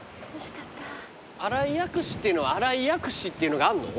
新井薬師っていうのは「新井薬師」っていうのがあるの？